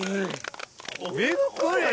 びっくり！